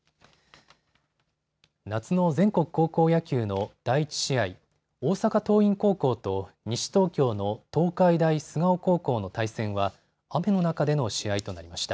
夏の全国高校野球の第１試合、大阪桐蔭高校と西東京の東海大菅生高校の対戦は雨の中での試合となりました。